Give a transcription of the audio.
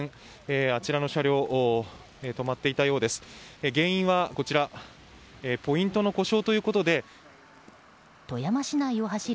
あちらの車両止まっていたようです。